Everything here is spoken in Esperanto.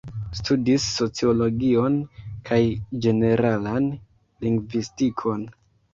Studis sociologion kaj ĝeneralan lingvistikon.